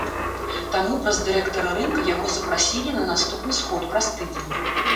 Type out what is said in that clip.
Таму праз дырэктара рынка яго запрасілі на наступны сход праз тыдзень.